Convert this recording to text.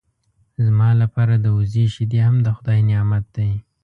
زما لپاره د وزې شیدې هم د خدای نعمت دی.